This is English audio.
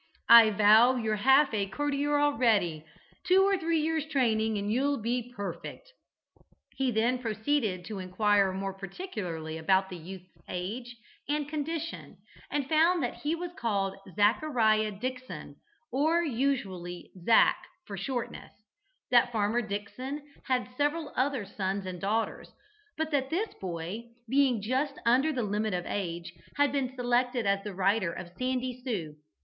"I vow you're half a courtier already. Two or three years' training and you'll be perfect." He then proceeded to inquire more particularly about the youth's age and condition, and found that he was called Zachariah Dickson, or usually "Zac" for shortness, that Farmer Dickson had several other sons and daughters, but that this boy, being just under the limit of age, had been selected as the rider of "Sandy Sue."